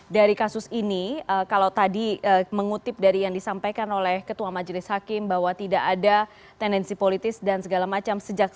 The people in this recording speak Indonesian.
dari kasus ini kalau tadi mengutip dari yang disampaikan oleh ketua majelis hakim bahwa tidak ada tendensi politis dan segala macam